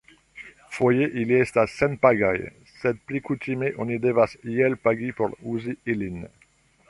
Foje ili estas senpagaj, sed pli kutime oni devas iel pagi por uzi ilin.